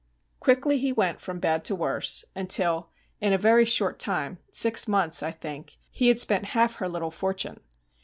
Quickly he went from bad to worse, until in a very short time, six months, I think, he had spent half her little fortune.